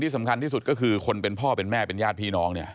สำคัญที่สุดก็คือคนเป็นพ่อเป็นแม่เป็นญาติพี่น้องเนี่ย